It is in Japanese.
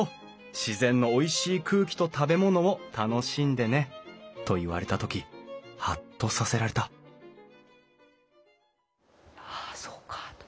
自然のおいしい空気と食べ物を楽しんでね」と言われた時ハッとさせられたああそうかあと。